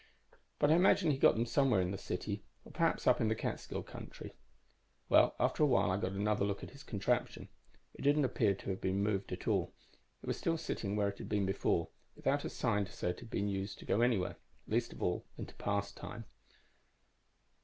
But I imagine he got them somewhere in the city or perhaps up in the Catskill country. "Well, after a while I got another look at his contraption. It didn't appear to have been moved at all; it was still sitting where it had been before, without a sign to say that it had been used to go anywhere, least of all into past time.